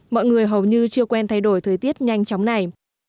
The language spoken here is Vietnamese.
mọi người hầu như chưa quen thay đổi thời tiết nhanh chóng này